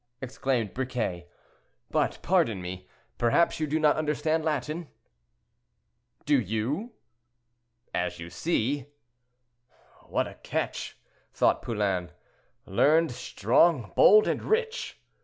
exclaimed Briquet; "but pardon me, perhaps you do not understand Latin?" "Do you?"—"As you see." "What a catch?" thought Poulain, "learned, strong, bold, and rich!"